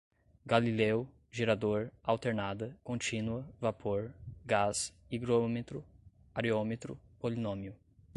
galileu, gerador, alternada, contínua, vapor, gás, higrômetro, areômetro, polinômio